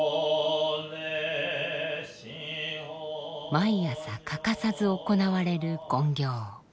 毎朝欠かさず行われる勤行。